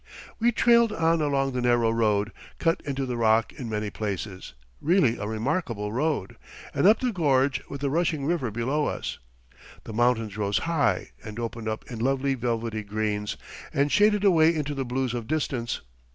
We trailed on along the narrow road, cut into the rock in many places, really a remarkable road, and up the gorge with the rushing river below us. The mountains rose high and opened up in lovely velvety greens, and shaded away into the blues of distance.